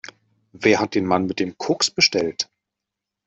Wer hat den Mann mit dem Koks bestellt?